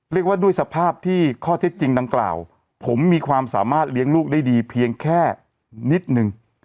เรียกว่าด้วยสภาพที่ข้อเท็จจริงดังกล่าวผมมีความสามารถเลี้ยงลูกได้ดีเพียงแค่นิดนึง